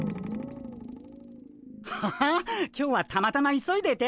ハハ今日はたまたま急いでて。